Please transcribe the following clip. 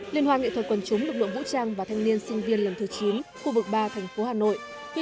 liên hoan nghệ thuật quần chúng lực lượng vũ trang và thanh niên sinh viên lần thứ chín khu vực ba thành phố hà nội